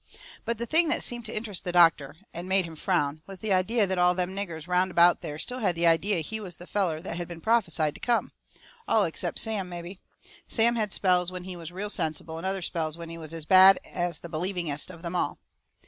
But the thing that seemed to interest the doctor, and made him frown, was the idea that all them niggers round about there still had the idea he was the feller that had been prophesied to come. All except Sam, mebby. Sam had spells when he was real sensible, and other spells when he was as bad as the believingest of them all.